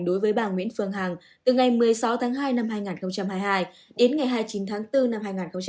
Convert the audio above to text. đối với bà nguyễn phương hằng từ ngày một mươi sáu tháng hai năm hai nghìn hai mươi hai đến ngày hai mươi chín tháng bốn năm hai nghìn hai mươi